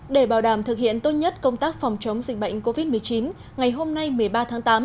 để bảo đảm thực hiện tốt nhất công tác phòng chống dịch bệnh covid một mươi chín ngày hôm nay một mươi ba tháng tám